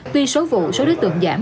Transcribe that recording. tuy số vụ số đối tượng giảm